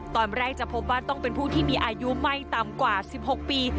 ตอนแรกจะพบว่าต้องเป็นผู้ที่มีอายุไม่ต่ำกว่า๑๖ปี